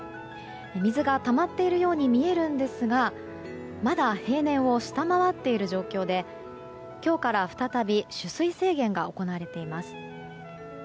水がたまっているように見えるんですがまだ平年を下回っている状況で今日から再び取水制限が行われています。